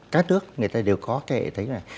các nước người ta đều có cái hệ thống này